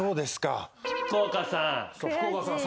福岡さん。